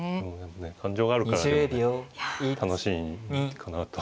感情があるからでもね楽しいかなとは。